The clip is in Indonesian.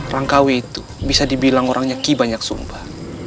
rangkawe itu bisa dibilang orangnya ki banyak sumpah